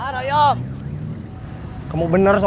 rahyam rahyam rahyam rahyam